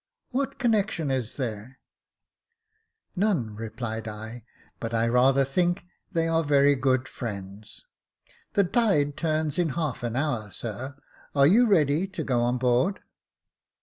What connection is there ?"'* None," replied I ;" but I rather think they are very good friends. The tide turns in half an hour, sir ; are you ready to go on board